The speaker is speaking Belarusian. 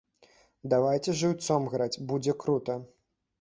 Давайце жыўцом граць, будзе крута!